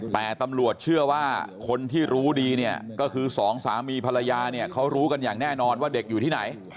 แต่ตำรวจเชื่อว่าคนที่รู้ดีเนี่ยก็คือสองสามีภรรยาเนี่ยเขารู้กันอย่างแน่นอนว่าเด็กอยู่ที่ไหน